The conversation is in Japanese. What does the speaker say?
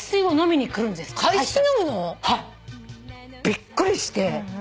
びっくりして。